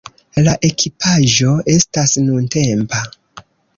La ekipaĵo estas nuntempa.